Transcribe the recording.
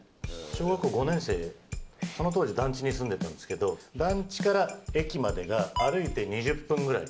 小学校５年生、その当時、団地に住んでたんですけど、団地から駅までが歩いて２０分ぐらい。